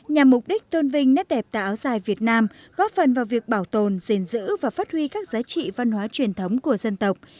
nhằm mục đích tôn vinh nét đẹp tại áo dài việt nam góp phần vào việc bảo tồn gìn giữ và phát huy các giá trị văn hóa truyền thống của dân tộc